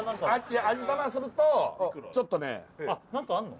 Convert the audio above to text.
いや味玉するとちょっとねあっ何かあんの？